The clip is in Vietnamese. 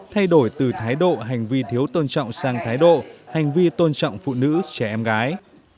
thay đổi từ thái độ hành vi thiếu tôn trọng sang thái độ hành vi tôn trọng phụ nữ trẻ em gái